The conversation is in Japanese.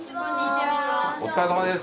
お疲れさまです。